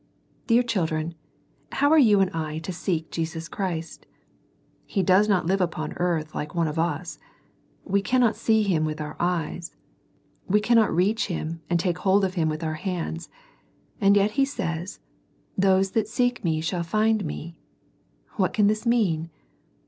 Dear children, how are you and I to seek Jesus Christ? He does not live upon earth like one of us ; we cannot see Him with our eyes ; we cannot reach Him and take hold of Him with our hands ; and yet He says, " Those that seek Me shall find Me." What can this mean?